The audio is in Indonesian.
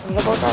iya pak ustadz